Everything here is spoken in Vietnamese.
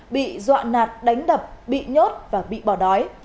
bị dọa nạt đánh đập bị nhốt và bị bỏ đói